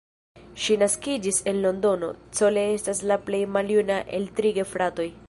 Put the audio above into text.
Ŝi naskiĝis en Londono, Cole estas la plej maljuna el tri gefratoj.